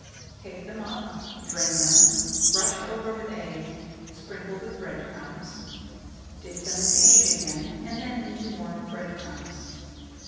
Take them up, drain them, brush over with egg, sprinkle with bread crumbs; dip them in egg again, and then into more bread crumbs.